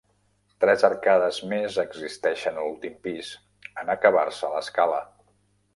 Tres arcades més existeixen a l'últim pis, en acabar-se l'escala.